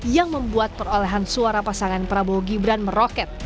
yang membuat perolehan suara pasangan prabowo gibran meroket